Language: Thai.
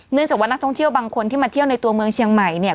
จากว่านักท่องเที่ยวบางคนที่มาเที่ยวในตัวเมืองเชียงใหม่เนี่ย